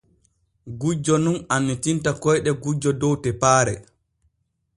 Gujjo nun annitinta koyɗe gujjo dow tepaare.